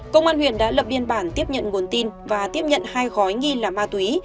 công an huyện đã lập biên bản tiếp nhận nguồn tin và tiếp nhận hai gói nghi là ma túy